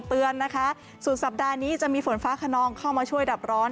เตือนนะคะสุดสัปดาห์นี้จะมีฝนฟ้าขนองเข้ามาช่วยดับร้อน